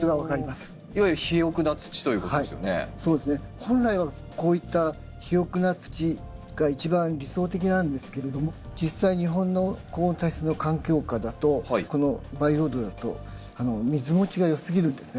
本来はこういった肥沃な土が一番理想的なんですけれども実際日本の高温多湿の環境下だとこの培養土だと水もちが良すぎるんですね。